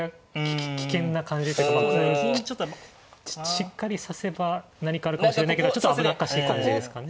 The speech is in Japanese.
しっかり指せば何かあるかもしれないけどちょっと危なっかしい感じですかね。